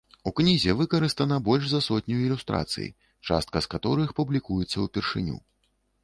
У кнізе выкарыстана больш за сотню ілюстрацый, частка з каторых публікуецца ўпершыню.